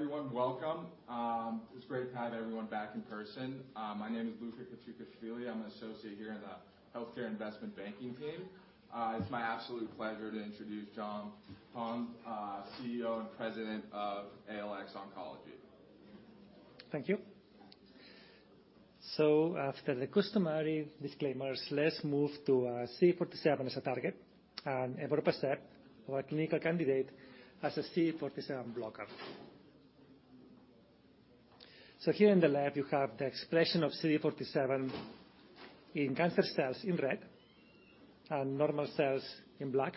Hi, everyone. Welcome. It's great to have everyone back in person. My name is Raji Gunasekera. I'm an associate here in the healthcare investment banking team. It's my absolute pleasure to introduce Jaume Pons, CEO and President of ALX Oncology. Thank you. After the customary disclaimers, let's move to CD47 as a target and evorpacept, our clinical candidate as a CD47 blocker. Here in the lab you have the expression of CD47 in cancer cells in red and normal cells in black.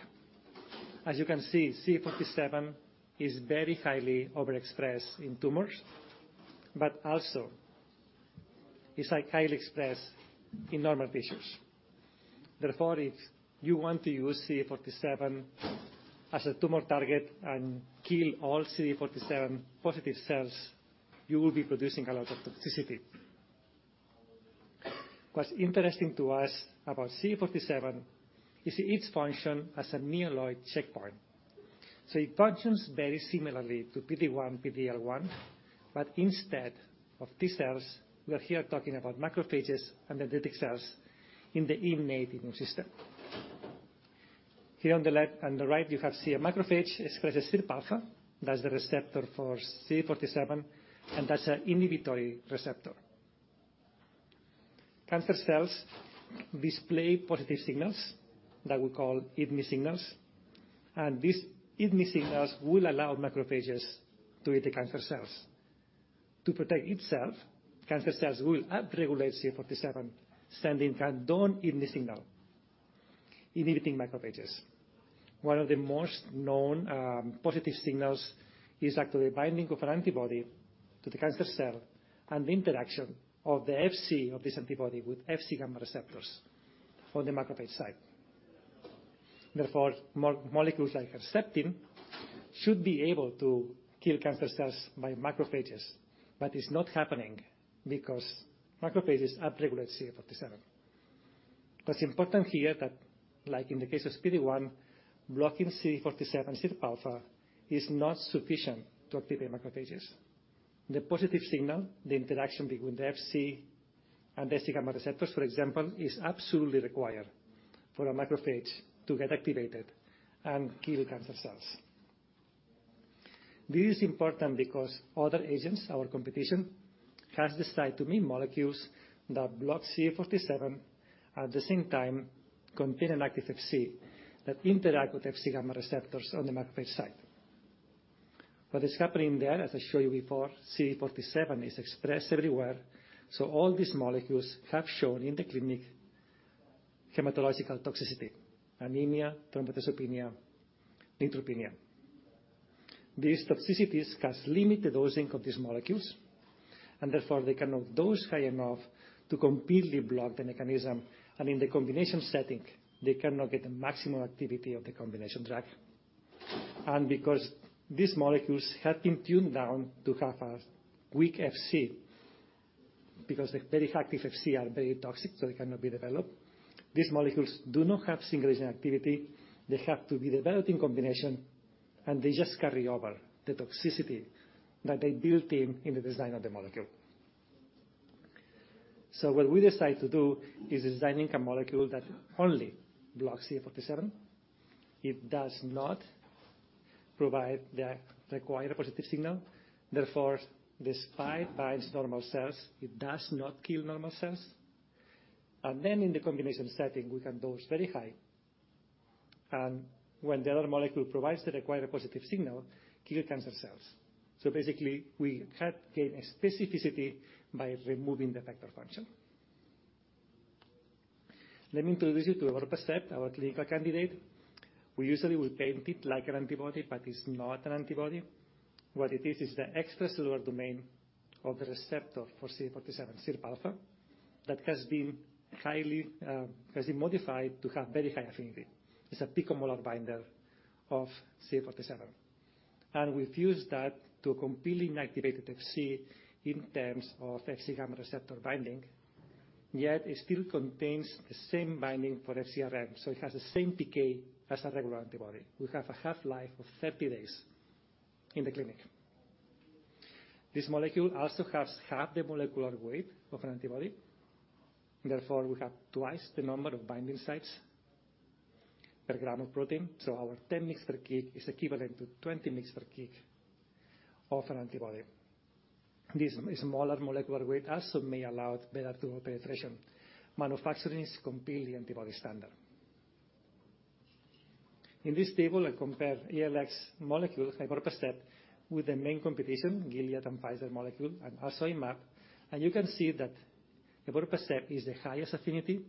As you can see, CD47 is very highly overexpressed in tumors, but also it's like highly expressed in normal tissues. Therefore, if you want to use CD47 as a tumor target and kill all CD47 positive cells, you will be producing a lot of toxicity. What's interesting to us about CD47 is its function as a myeloid checkpoint. It functions very similarly to PD-1, PD-L1, but instead of T cells, we are here talking about macrophages and dendritic cells in the innate immune system. Here on the left and the right, you have... see a macrophage expresses SIRPα. That's the receptor for CD47, and that's an inhibitory receptor. Cancer cells display positive signals that we call eat me signals, and these eat me signals will allow macrophages to eat the cancer cells. To protect itself, cancer cells will upregulate CD47, sending a don't eat me signal, inhibiting macrophages. One of the most known positive signals is actually the binding of an antibody to the cancer cell and the interaction of the Fc of this antibody with Fc-gamma receptors on the macrophage side. Molecules like Herceptin should be able to kill cancer cells by macrophages, but it's not happening because macrophages upregulate CD47. What's important here that, like in the case of PD-1, blocking CD47 SIRPα is not sufficient to activate macrophages. The positive signal, the interaction between the Fc and the Fc-gamma receptors, for example, is absolutely required for a macrophage to get activated and kill cancer cells. This is important because other agents, our competition, has decided to make molecules that block CD47, at the same time contain an active Fc that interact with Fc-gamma receptors on the macrophage side. What is happening there, as I showed you before, CD47 is expressed everywhere, so all these molecules have shown in the clinic hematological toxicity, anemia, thrombocytopenia, neutropenia. These toxicities has limited dosing of these molecules and therefore they cannot dose high enough to completely block the mechanism, and in the combination setting, they cannot get the maximum activity of the combination drug. Because these molecules have been tuned down to have a weak Fc, because the very active Fc are very toxic, they cannot be developed, these molecules do not have single agent activity. They have to be developed in combination. They just carry over the toxicity that they built in in the design of the molecule. What we decided to do is designing a molecule that only blocks CD47. It does not provide the required positive signal. Therefore, despite binds normal cells, it does not kill normal cells. Then in the combination setting, we can dose very high and when the other molecule provides the required positive signal, kill cancer cells. Basically we had gained a specificity by removing the effector function. Let me introduce you to evorpacept, our clinical candidate. We usually will paint it like an antibody, but it's not an antibody. What it is the extracellular domain of the receptor for CD47 SIRPα that has been highly modified to have very high affinity. It's a picomolar binder of CD47. We've used that to completely inactivate the Fc in terms of Fc-gamma receptor binding, yet it still contains the same binding for FcRn. It has the same decay as a regular antibody. We have a half-life of 30 days in the clinic. This molecule also has half the molecular weight of an antibody, therefore we have twice the number of binding sites per gram of protein. Our 10 mgs per kg is equivalent to 20 mgs per kg of an antibody. This smaller molecular weight also may allow better tumor penetration. Manufacturing is completely antibody standard. In this table, I compare ALX molecule, evorpacept with the main competition, Gilead and Pfizer molecule and also I-Mab. You can see that evorpacept is the highest affinity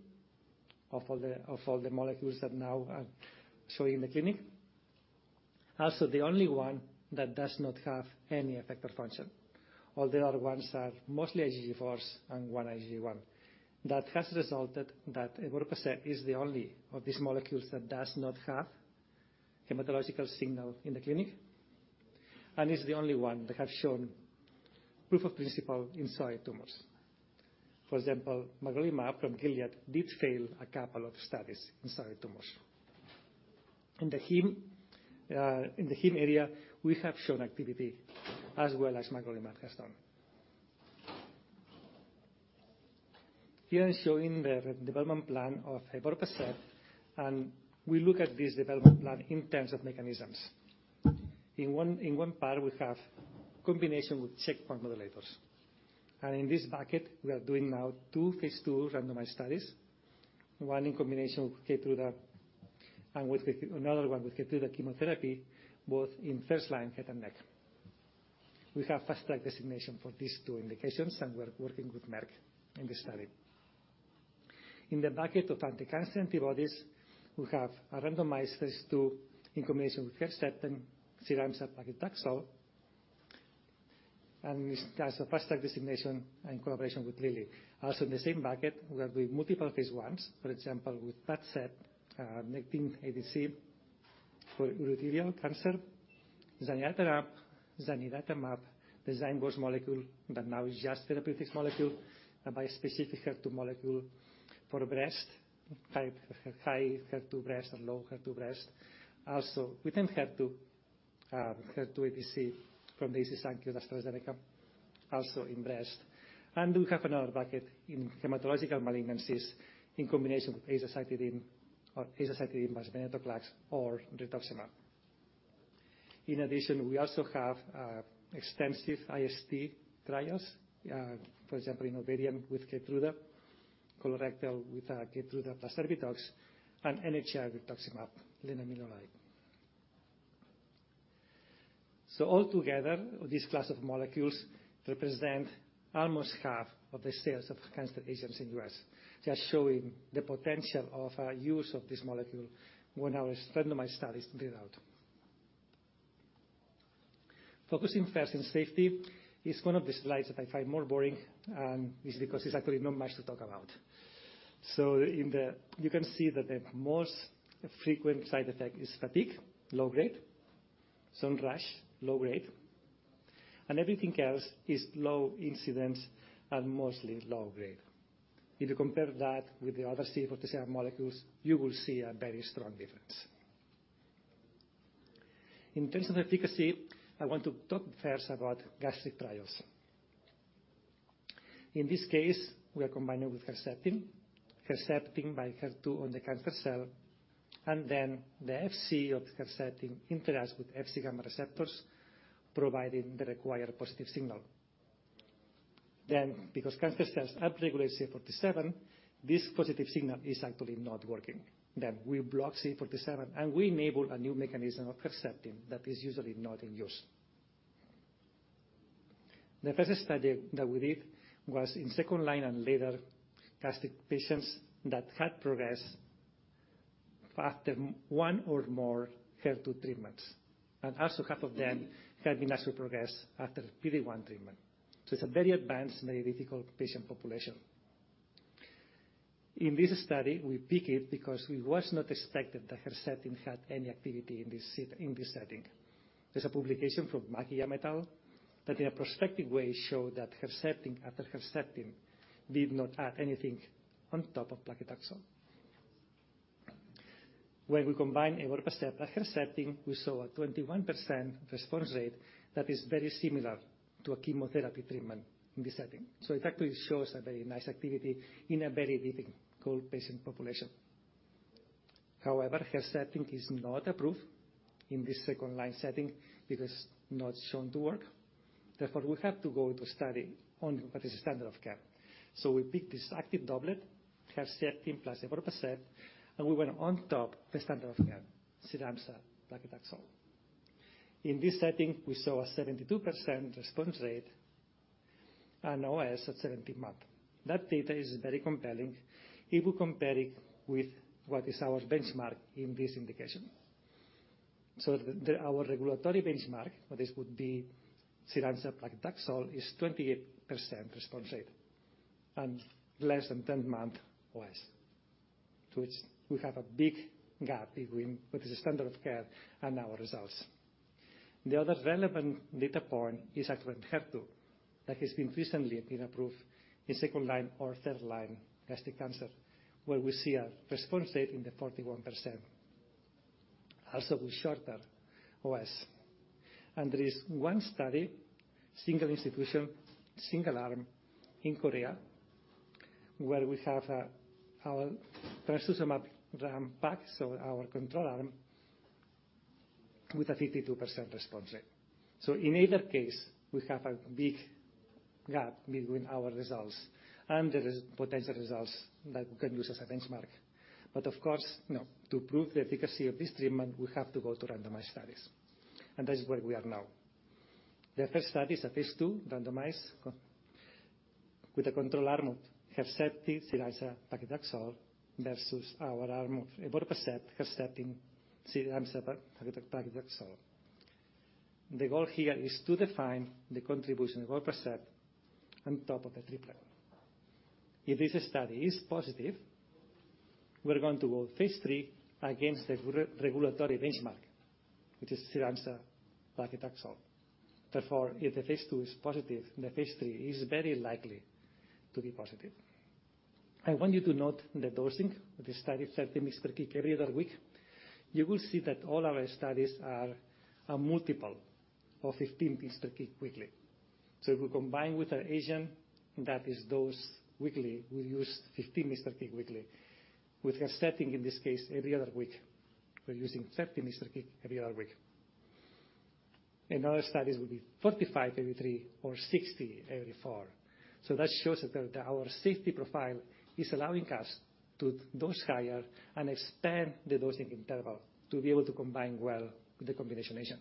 of all the molecules that now are showing the clinic. Also, the only one that does not have any effector function. All the other ones are mostly IgG4s and one IgG1. That has resulted that evorpacept is the only of these molecules that does not have hematological signal in the clinic, and is the only one that has shown proof of principle in solid tumors. For example, magrolimab from Gilead did fail a couple of studies in solid tumors. In the heme area, we have shown activity as well as magrolimab has done. Here I'm showing the development plan of evorpacept, and we look at this development plan in terms of mechanisms. In one part, we have combination with checkpoint modulators. In this bucket, we are doing now 2 phase 2 randomized studies, one in combination with Keytruda, another one with Keytruda chemotherapy, both in first-line head and neck. We have Fast Track designation for these 2 indications, and we're working with Merck in this study. In the bucket of anti-cancer antibodies, we have a randomized phase 2 in combination with Herceptin, Cyramza, paclitaxel, and it has a Fast Track designation in collaboration with Lilly. In the same bucket, we are doing multiple phase 1s, for example, with Nectin-4 ADC for urothelial cancer. zanidatamab design was molecule, but now it's just therapeutics molecule, a bispecific HER2 molecule for breast, high HER2 breast and low HER2 breast. Within HER2 ADC from the Daiichi Sankyo AstraZeneca, also in breast. We have another bucket in hematological malignancies in combination with azacitidine or azacitidine, venetoclax or rituximab. In addition, we also have extensive IST trials, for example, in ovarian with Keytruda, colorectal with Keytruda plus Erbitux, and NHL rituximab, lenalidomide. Altogether, this class of molecules represent almost half of the sales of cancer agents in U.S., just showing the potential of use of this molecule when our randomized study is rolled out. Focusing first on safety, it's one of the slides that I find more boring, and it's because it's actually not much to talk about. You can see that the most frequent side effect is fatigue, low-grade, some rash, low-grade, and everything else is low incidence and mostly low-grade. If you compare that with the other CD47 molecules, you will see a very strong difference. In terms of efficacy, I want to talk first about gastric trials. In this case, we are combining with Herceptin by HER2 on the cancer cell, and then the FC of Herceptin interacts with Fc-gamma receptors, providing the required positive signal. Because cancer cells upregulate CD47, this positive signal is actually not working. We block CD47, and we enable a new mechanism of Herceptin that is usually not in use. The first study that we did was in second line and later, gastric patients that had progressed after one or more HER2 treatments, and also half of them had been actually progressed after PD-1 treatment. It's a very advanced, very difficult patient population. In this study, we pick it because it was not expected that Herceptin had any activity in this set, in this setting. There's a publication from Makiyama et al, that in a prospective way showed that Herceptin after Herceptin did not add anything on top of paclitaxel. When we combined evorpacept and Herceptin, we saw a 21% response rate that is very similar to a chemotherapy treatment in this setting. It actually shows a very nice activity in a very difficult patient population. However, Herceptin is not approved in this second-line setting because not shown to work. Therefore, we have to go into study on what is standard of care. We picked this active doublet, Herceptin plus evorpacept, and we went on top the standard of care, Cyramza, paclitaxel. In this setting, we saw a 72% response rate and OS at 70 months. That data is very compelling if we compare it with what is our benchmark in this indication. Our regulatory benchmark for this would be Cyramza, paclitaxel is 28% response rate and less than 10-month OS, to which we have a big gap between what is the standard of care and our results. The other relevant data point is actually in HER2, that has been recently been approved in second-line or third-line gastric cancer, where we see a response rate in the 41%, also with shorter OS. There is one study, single institution, single arm in Korea, where we have our trastuzumab ramucirumab, so our control arm, with a 52% response rate. In either case, we have a big gap between our results and the potential results that we can use as a benchmark. Of course to prove the efficacy of this treatment, we have to go to randomized studies. That is where we are now. The first study is a phase 2 randomized with a control arm of Herceptin, Cyramza, paclitaxel versus our arm of evorpacept, Herceptin, Cyramza, paclitaxel. The goal here is to define the contribution of evorpacept on top of the triplet. If this study is positive, we're going to go phase 3 against the regulatory benchmark, which is Cyramza, paclitaxel. Therefore, if the phase 2 is positive, the phase 3 is very likely to be positive. I want you to note the dosing of the study, 30 mgs per kg every other week. You will see that all our studies are a multiple of 15 mgs per kg weekly. So if we combine with our agent, that is dosed weekly, we use 15 mgs per kg weekly. With Herceptin, in this case, every other week, we're using 30 mgs per kg every other week. In other studies will be 45 every 3 or 60 every 4. That shows that our safety profile is allowing us to dose higher and expand the dosing interval to be able to combine well with the combination agent.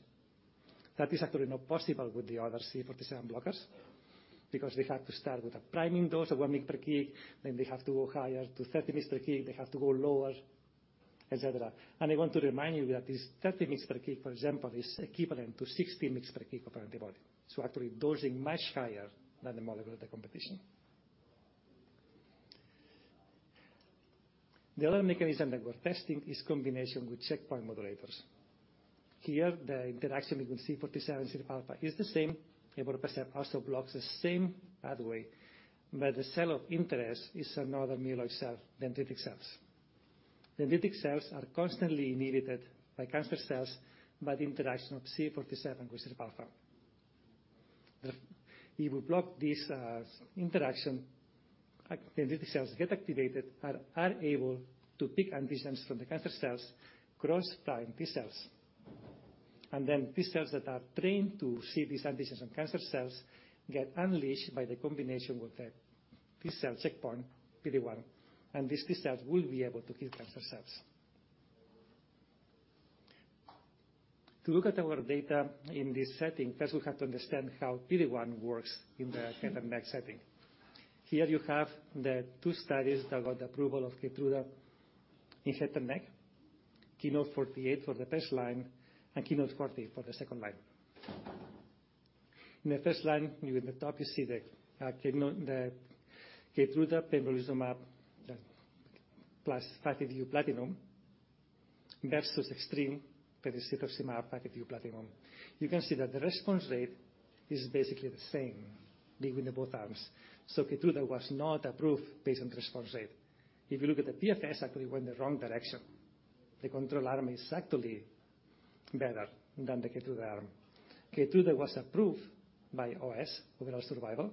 That is actually not possible with the other CD47 blockers, because they have to start with a priming dose of 1 mg/kg, then they have to go higher to 30 mg/kg, they have to go lower, et cetera. I want to remind you that this 30 mg/kg, for example, is equivalent to 60 mg/kg of antibody. Actually dosing much higher than the molecule of the competition. The other mechanism that we're testing is combination with checkpoint modulators. Here, the interaction between CD47, SIRPα is the same. Everolimus also blocks the same pathway, but the cell of interest is another myeloid cell, dendritic cells. Dendritic cells are constantly inhibited by cancer cells by the interaction of CD47 with SIRPα. If we block this interaction, dendritic cells get activated, are able to pick antigens from the cancer cells, cross prime T cells. T cells that are trained to see these antigens in cancer cells get unleashed by the combination with the T-cell checkpoint, PD-1. These T cells will be able to kill cancer cells. To look at our data in this setting, first we have to understand how PD-1 works in the head and neck setting. Here you have the two studies that got the approval of Keytruda in head and neck, KEYNOTE-048 for the first line and KEYNOTE-040 for the second line. In the first line, in the top you see the Keytruda pembrolizumab plus 5-FU platinum versus EXTREME atezolizumab, 5-FU platinum. You can see that the response rate is basically the same between the both arms. Keytruda was not approved based on response rate. If you look at the PFS, actually went the wrong direction. The control arm is actually better than the Keytruda arm. Keytruda was approved by OS, overall survival.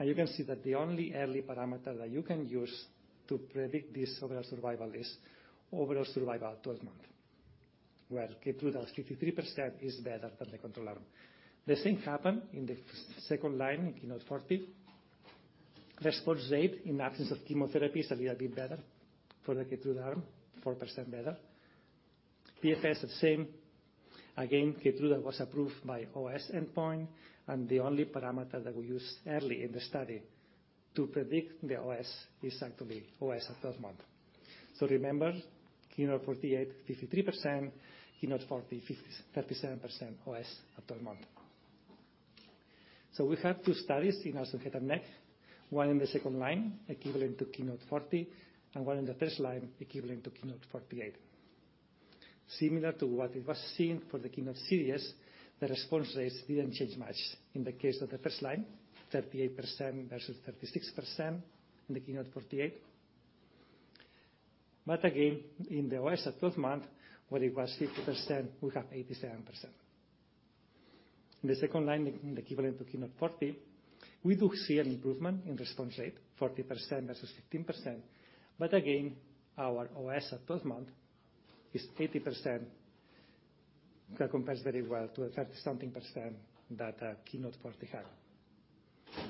You can see that the only early parameter that you can use to predict this overall survival is overall survival at 12 months, where Keytruda's 53% is better than the control arm. The same happened in the second line, in KEYNOTE-040. Response rate in absence of chemotherapy is a little bit better for the Keytruda arm, 4% better. PFS is the same. Keytruda was approved by OS endpoint, and the only parameter that we use early in the study to predict the OS is actually OS at 12 months. KEYNOTE-048, 53%, KEYNOTE-040, 37% OS at 12 months. We have two studies in our head and neck, one in the second line, equivalent to KEYNOTE-040, and one in the first line, equivalent to KEYNOTE-048. Similar to what it was seen for the KEYNOTE series, the response rates didn't change much. In the case of the first line, 38% versus 36% in the KEYNOTE-048. In the OS at 12 months, where it was 50%, we have 87%. In the second line, equivalent to KEYNOTE-040, we do see an improvement in response rate, 40% versus 15%. Again, our OS at 12 months is 80%, that compares very well to the 30 something % that KEYNOTE-040 had.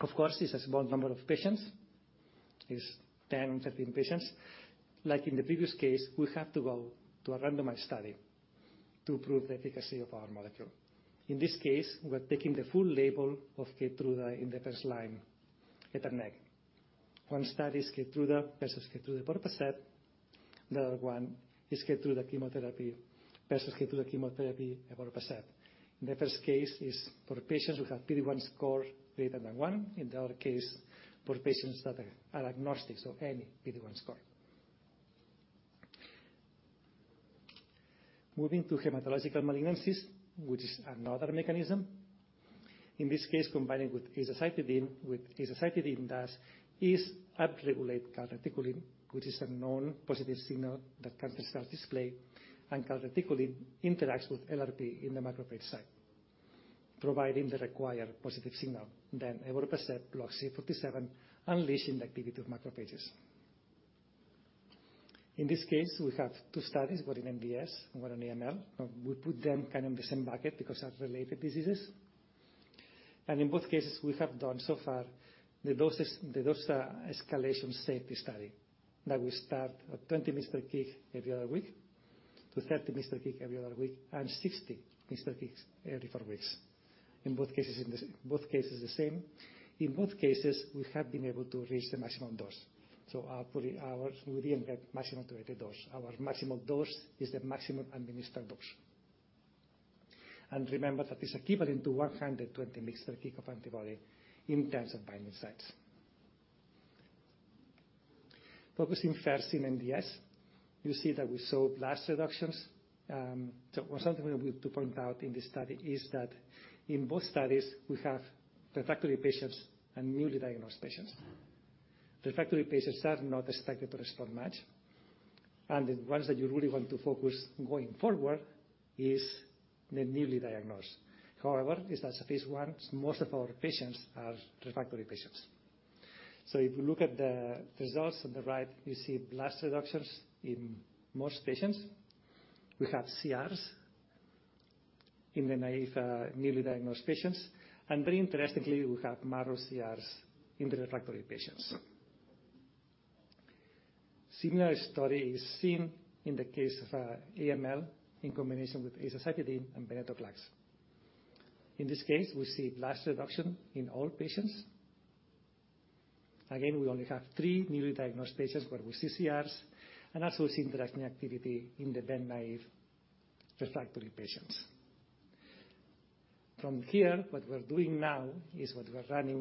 Of course, this is 1 number of patients. It's 10, 15 patients. Like in the previous case, we have to go to a randomized study to prove the efficacy of our molecule. In this case, we're taking the full label of Keytruda in the first line, head and neck. One study is Keytruda versus Keytruda, evorpacept. The other one is Keytruda chemotherapy versus Keytruda chemotherapy, everolimus. The first case is for patients who have PD-1 score greater than 1. In the other case, for patients that are diagnostics of any PD-1 score. Moving to hematological malignancies, which is another mechanism. In this case, combining with azacitidine, with azacitidine does is upregulate galectin-9, which is a known positive signal that cancer cells display. Galectin-9 interacts with LRP in the macrophage site, providing the required positive signal. Everolimus blocks CD47, unleashing the activity of macrophages. In this case, we have 2 studies, 1 in MDS and 1 in AML. We put them kind of in the same bucket because they're related diseases. In both cases, we have done so far the doses, the dose escalation safety study. That we start at 20 mg/kg every other week, to 30 mg/kg every other week, and 60 mg/kg every 4 weeks. In both cases, the same. In both cases, we have been able to reach the maximum dose. Our... We didn't get maximum dose. Our maximum dose is the maximum administered dose. Remember that is equivalent to 120 mgs per kg of antibody in terms of binding sites. Focusing first in MDS, you see that we saw blast reductions. Something we're going to point out in this study is that in both studies we have refractory patients and newly diagnosed patients. Refractory patients are not expected to respond much, and the ones that you really want to focus going forward is the newly diagnosed. It is a phase 1, most of our patients are refractory patients. If you look at the results on the right, you see blast reductions in most patients. We have CRs in the naive, newly diagnosed patients, and very interestingly, we have marrow CRs in the refractory patients. Similar study is seen in the case of AML in combination with azacitidine and venetoclax. In this case, we see blast reduction in all patients. Again, we only have 3 newly diagnosed patients, but with CRs, and also see refractory activity in the ven-naïve refractory patients. From here, what we're running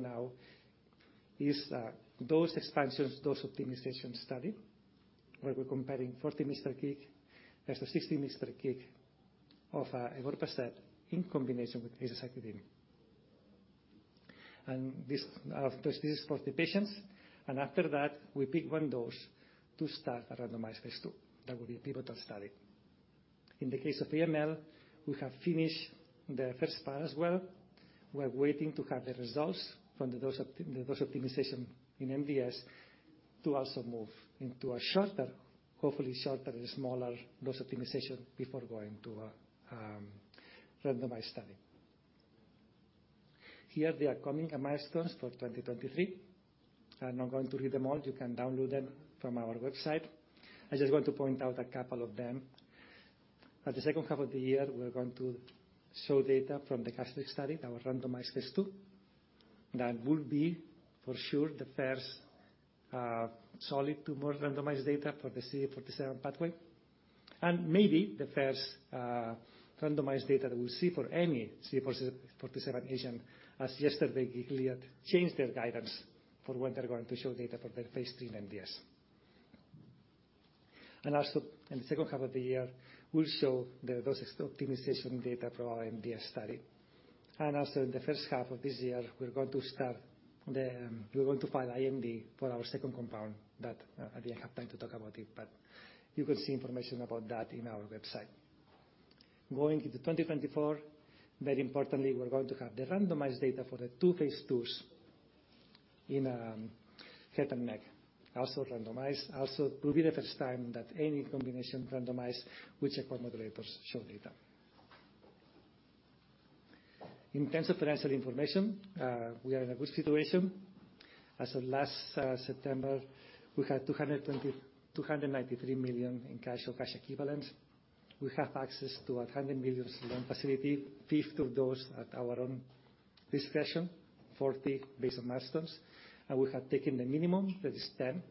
now is dose expansions, dose optimization study, where we're comparing 40 mg per kg versus 60 mg per kg of evorpacept in combination with azacitidine. This is for the patients. After that we pick one dose to start a randomized phase 2. That will be a pivotal study. In the case of AML, we have finished the first part as well. We are waiting to have the results from the dose optimization in MDS to also move into a shorter, hopefully shorter and smaller dose optimization before going to a randomized study. Here are the upcoming milestones for 2023. I'm not going to read them all. You can download them from our website. I just want to point out a couple of them. At the second half of the year, we are going to show data from the gastric study, our randomized phase 2. That will be for sure the first solid tumor randomized data for the CD47 pathway, and maybe the first randomized data that we'll see for any CD47 agent, as yesterday Gilead changed their guidance for when they're going to show data for their phase 3 MDS. In the second half of the year, we'll show the dose optimization data for our MDS study. In the first half of this year, we're going to start the... We're going to file IND for our second compound that I didn't have time to talk about it, but you can see information about that in our website. Going into 2024, very importantly, we're going to have the randomized data for the two phase 2s in head and neck. Also randomized, also it will be the first time that any combination randomized with checkpoint modulators show data. In terms of financial information, we are in a good situation. As of last September, we had $293 million in cash or cash equivalents. We have access to a $100 million loan facility, 50 of those at our own discretion, 40 based on milestones, and we have taken the minimum, that is 10.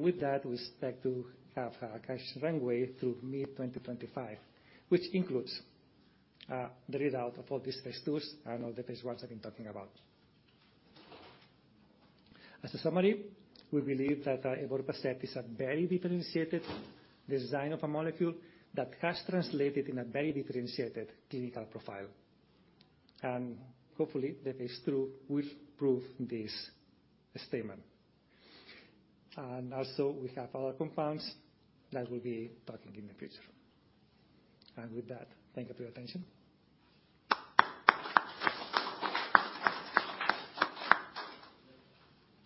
With that, we expect to have a cash runway through mid-2025, which includes, the readout of all these phase 2s and all the phase 1s I've been talking about. As a summary, we believe that, evorpacept is a very differentiated design of a molecule that has translated in a very differentiated clinical profile. Hopefully, the phase 2 will prove this statement. Also we have other compounds that we'll be talking in the future. With that, thank you for your attention.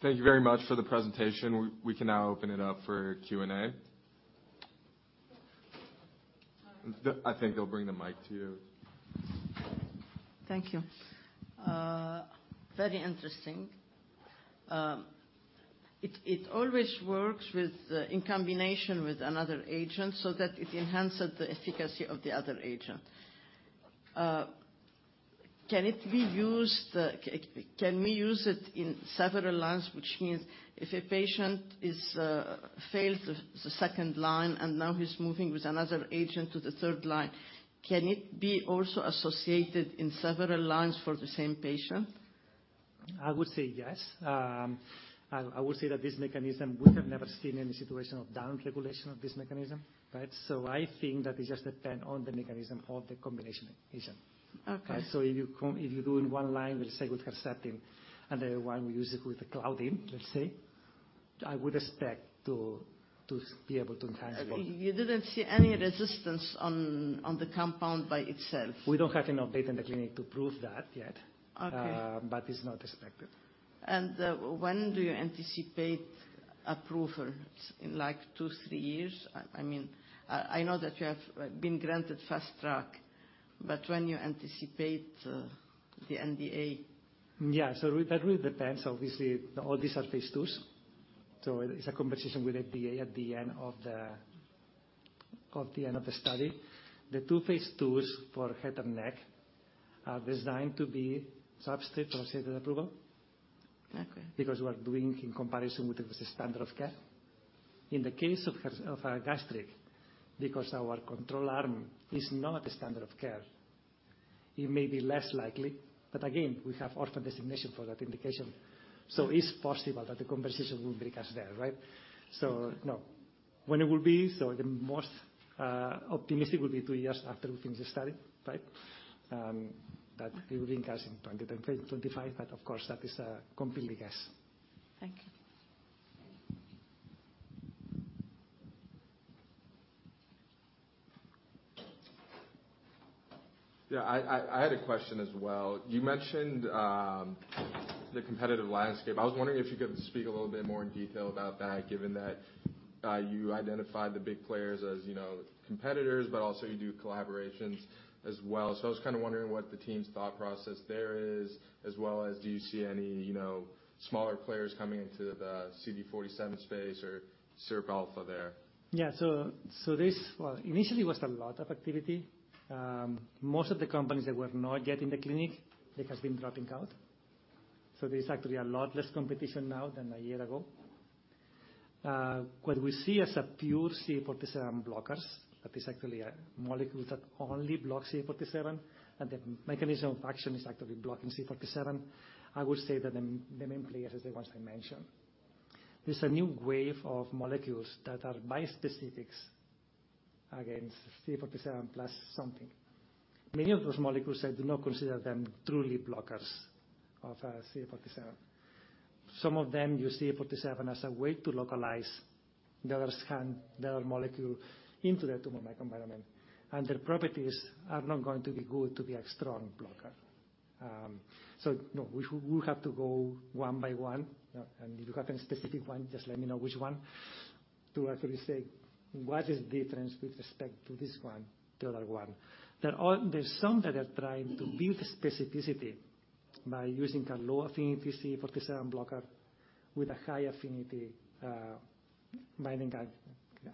Thank you very much for the presentation. We can now open it up for Q&A. Sorry. I think they'll bring the mic to you. Thank you. Very interesting. It always works with, in combination with another agent, so that it enhances the efficacy of the other agent. Can we use it in several lines, which means if a patient is failed the second line and now he's moving with another agent to the third line, can it be also associated in several lines for the same patient? I would say yes. I would say that this mechanism, we have never seen any situation of downregulation of this mechanism, right? I think that it just depend on the mechanism of the combination agent. Okay. If you do in 1 line with, let's say with carfilzomib and another 1 we use it with claudin, let's say, I would expect to be able to transport. You didn't see any resistance on the compound by itself? We don't have enough data in the clinic to prove that yet. Okay. It's not expected. When do you anticipate approval? In like 2, 3 years? I mean, I know that you have been granted Fast Track, when you anticipate the NDA? Yeah. That really depends. Obviously, all these are phase IIs, so it's a conversation with FDA at the end of the end of the study. The two phase IIs for head and neck are designed to be substitute for standard approval- Okay... because we are doing in comparison with the standard of care. In the case of gastric, because our control arm is not a standard of care. It may be less likely, but again, we have orphan designation for that indication. It's possible that the conversation will bring us there, right? When it will be, so the most optimistic will be 2 years after we finish the study, right? That it will be in cash in 2025, but of course, that is a completely guess. Thank you. I had a question as well. You mentioned the competitive landscape. I was wondering if you could speak a little bit more in detail about that, given that you identified the big players as competitors, but also you do collaborations as well. I was kinda wondering what the team's thought process there is, as well as do you see any smaller players coming into the CD47 space or SIRPα there? Yeah. Well, initially was a lot of activity. Most of the companies that were not yet in the clinic, they have been dropping out. There's actually a lot less competition now than a year ago. What we see as a pure CD47 blockers, that is actually a molecule that only blocks CD47, and the mechanism of action is actually blocking CD47. I would say that the main players is the ones I mentioned. There's a new wave of molecules that are bispecifics against CD47 plus something. Many of those molecules, I do not consider them truly blockers of CD47. Some of them use CD47 as a way to localize the other's hand, the other molecule into the tumor microenvironment, and their properties are not going to be good to be a strong blocker. No, we have to go 1 by 1. If you have a specific one, just let me know which one to actually say what is difference with respect to this one to other one. There's some that are trying to build specificity by using a low affinity CD47 blocker with a high affinity binding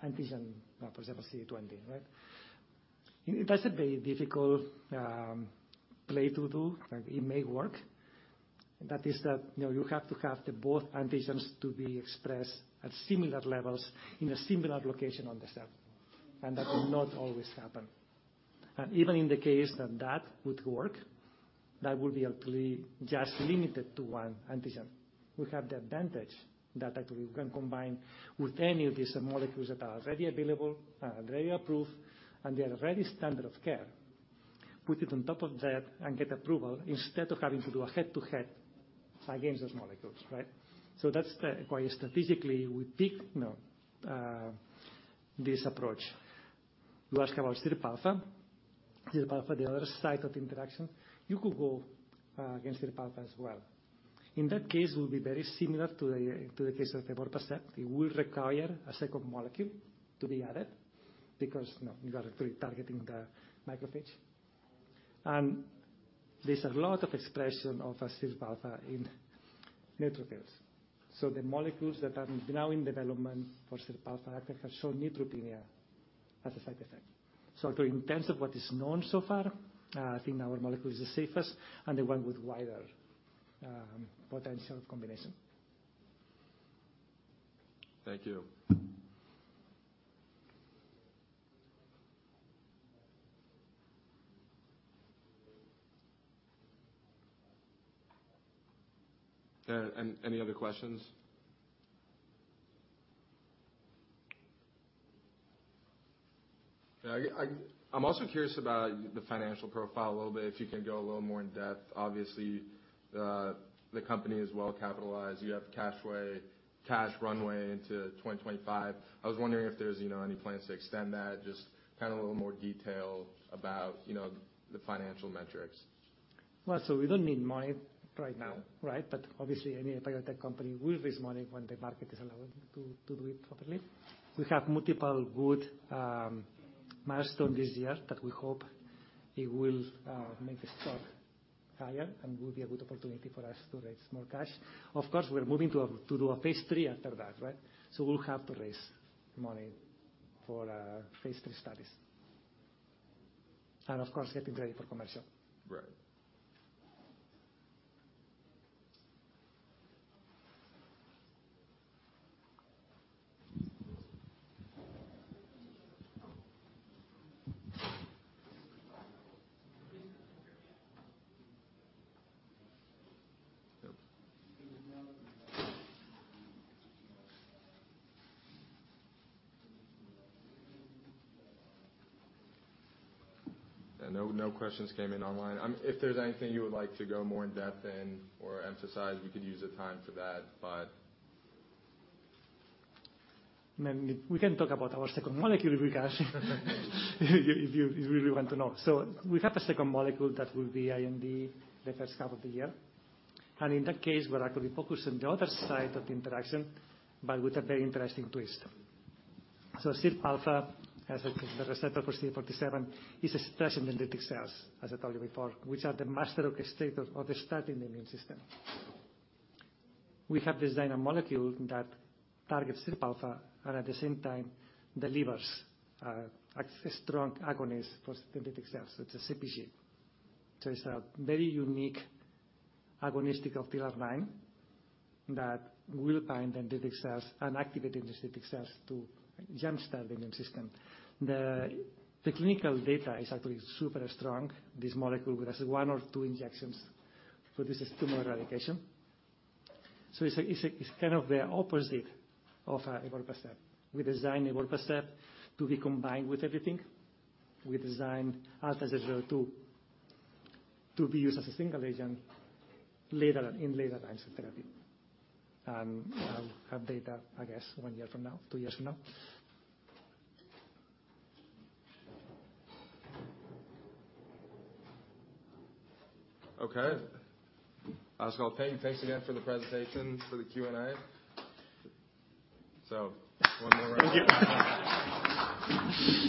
antigen, for example, CD20, right? It is a very difficult play to do, but it may work. That is that you have to have the both antigens to be expressed at similar levels in a similar location on the cell, and that will not always happen. Even in the case that that would work, that would be actually just limited to one antigen. We have the advantage that actually we can combine with any of these molecules that are already available, already approved, and they are already standard of care. Put it on top of that and get approval instead of having to do a head-to-head against those molecules, right? That's why strategically we pick this approach. You ask about SIRPα. SIRPα, the other side of the interaction, you could go against SIRPα as well. In that case, it will be very similar to the case of evorpacept. It will require a second molecule to be added because you are actually targeting the macrophage. There's a lot of expression of SIRPα in neutrophils. The molecules that are now in development for SIRPα actually have shown neutropenia as a side effect. In terms of what is known so far, I think our molecule is the safest and the one with wider, potential combination. Thank you. Any other questions? Yeah. I'm also curious about the financial profile a little bit, if you can go a little more in depth. Obviously, the company is well capitalized. You have cash runway into 2025. I was wondering if there's any plans to extend that. Just kind of a little more detail about the financial metrics. We don't need money right now, right? Obviously, any biotech company will raise money when the market is allowing to do it properly. We have multiple good milestone this year that we hope it will make the stock higher and will be a good opportunity for us to raise more cash. Of course, we're moving to do a phase 3 after that, right? We'll have to raise money for our phase 3 studies. Of course, getting ready for commercial. Right. No, no questions came in online. If there's anything you would like to go more in depth in or emphasize, we could use the time for that, but... Maybe we can talk about our second molecule, Lucas. If you really want to know. We have a second molecule that will be IND the first half of the year. In that case, we're actually focused on the other side of the interaction, but with a very interesting twist. SIRPα, as the receptor for CD47, is expressed in dendritic cells, as I told you before, which are the master orchestrator of the study in the immune system. We have designed a molecule that targets SIRPα and at the same time delivers a strong agonist for dendritic cells. It's a CpG. It's a very unique agonistic of TLR9 that will bind dendritic cells and activate the dendritic cells to jumpstart the immune system. The clinical data is actually super strong. This molecule with just one or two injections produces tumor eradication. It's a, it's kind of the opposite of evorpacept. We designed evorpacept to be combined with everything. We designed ALT002 to be used as a single agent later, in later lines of therapy. I'll have data, I guess, 1 year from now, 2 years from now. Okay. I just wanna thank you, thanks again for the presentation, for the Q&A. One more round of applause.